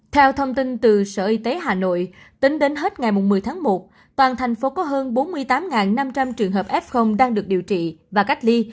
theo thông tin từ sở y tế hà nội tính đến hết ngày một mươi tháng một toàn thành phố có hơn bốn mươi tám năm trăm linh trường hợp f đang được điều trị và cách ly